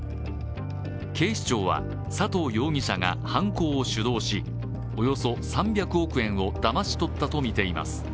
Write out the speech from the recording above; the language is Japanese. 警視庁は佐藤容疑者が犯行を主導し、およそ３００億円をだまし取ったと見ています。